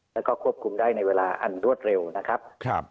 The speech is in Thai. แล้วก็ควบคุมได้ในเวลาอันรวดเร็วนะครับ